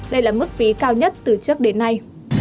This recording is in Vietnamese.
đây là mức phí cao nhất từ trước đến nay